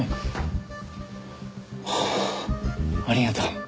ありがとう。